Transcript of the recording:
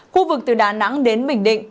khu vực từ đà nẵng đến bình định